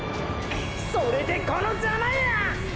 それでこのザマや！！